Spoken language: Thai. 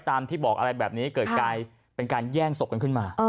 ที่บอกอะไรแบบนี้เกิดกลายเป็นการแย่งศพกันขึ้นมา